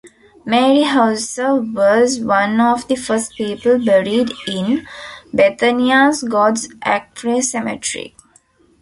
Mary Hauser was one of the first people buried in Bethania's God's Acre cemetery.